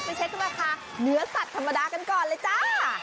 เช็คราคาเนื้อสัตว์ธรรมดากันก่อนเลยจ้า